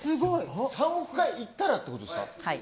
３億回いったらということですか。